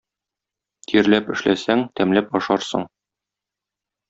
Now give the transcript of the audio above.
Тирләп эшләсәң, тәмләп aшaрсың.